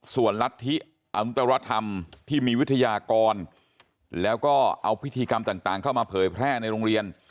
ส่วนรัฐอนุตรธรรมที่มีวิทยากรแล้วก็เอาพิธีกรรมต่างเข้ามาเผยแพร่ในโรงเรียน